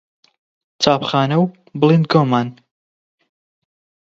چاپخانە و بڵیندگۆمان